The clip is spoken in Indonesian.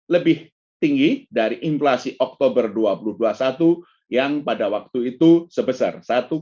lebih tinggi dari inflasi oktober dua ribu dua puluh satu yang pada waktu itu sebesar satu tujuh